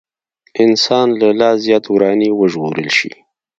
انسان له لا زيات وراني وژغورل شي.